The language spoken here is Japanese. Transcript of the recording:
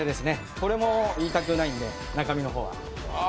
これも言いたくないんで、中身のほうは。